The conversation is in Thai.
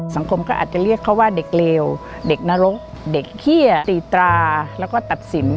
สังคมก็อาจจะเรียกเขาว่าเด็กเลวเด็กนรกเด็กเขี้ยตีตราแล้วก็ตัดสิน